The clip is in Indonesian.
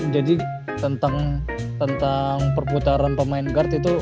jadi tentang perputaran pemain guard itu